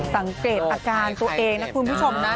สังเกตอาการตัวเองนะคุณผู้ชมนะ